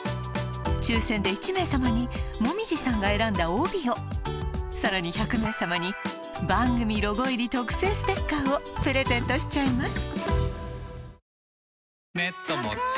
抽選で１名様に紅葉さんが選んだ帯をさらに１００名様に番組ロゴ入り特製ステッカーをプレゼントしちゃいます